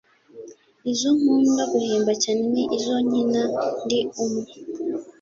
izo nkunda guhimba cyane ni izo nkina ndi umwe.